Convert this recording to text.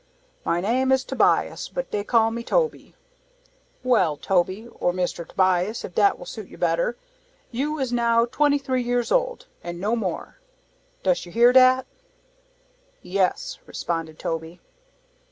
"My name is Tobias, but dey call me 'Toby.'" "Well, Toby, or Mr. Tobias, if dat will suit you better, you is now twenty three years old, an no more. Dus you hear dat?" "Yes," responded Toby.